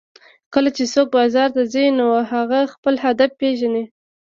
کله چې څوک بازار ته ځي نو هغه خپل هدف پېژني